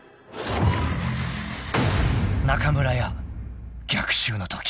［中村屋逆襲のとき］